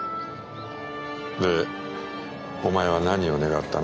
でお前は何を願ったの？